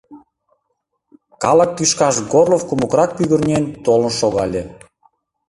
Калык тӱшкаш Горлов кумыкрак пӱгырнен толын шогале.